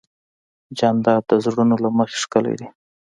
جانداد د زړونو له مخې ښکلی دی.